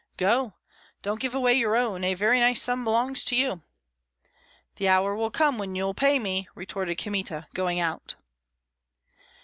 "Go! don't give away your own; a very nice sum belongs to you." "The hour will come when you'll pay me," retorted Kmita, going out.